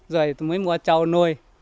rồi mới mua cháu nuôi